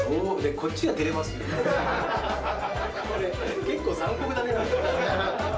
これ、結構残酷だね。